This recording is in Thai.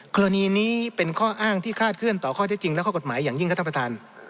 กรณีนี้เป็นข้ออ้างที่คลาดเคลื่อนต่อข้อเท็จจริงและข้อกฎหมายอย่างยิ่งครับท่านประธาน